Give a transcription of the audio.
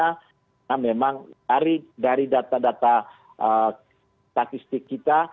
karena memang dari data data statistik kita